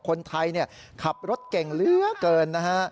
คนไทยขับรถเก่งเหลือเกินนะฮะ